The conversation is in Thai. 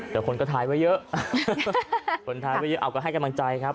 แต่คนก็ถ่ายไว้เยอะคนถ่ายไว้เยอะเอาก็ให้กำลังใจครับ